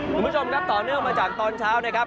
คุณผู้ชมครับต่อเนื่องมาจากตอนเช้านะครับ